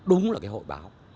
đúng là cái hội báo